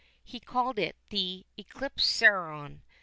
He called it the "Eclipsareon."